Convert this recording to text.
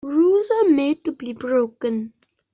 Rules are made to be broken.